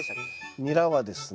ニラはですね